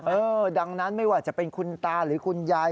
เออดังนั้นไม่ว่าจะเป็นคุณตาหรือคุณยาย